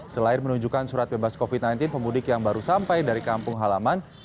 selain menunjukkan surat bebas covid sembilan belas pemudik yang baru sampai dari kampung halaman